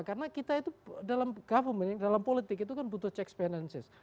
karena kita itu dalam government dalam politik itu kan butuh cek pendensis